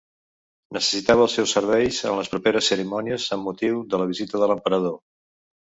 Necessitava els seus serveis en les properes cerimònies amb motiu de la visita de l'emperador.